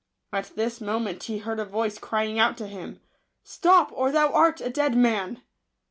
At this moment he heard a voice crying out to him, " Stop, or thou art a dead man."